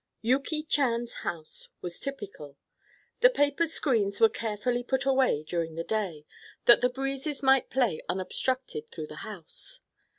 Yuki Chan's house was typical. The paper screens were carefully put away during the day, that the breezes might play unobstructed through the house.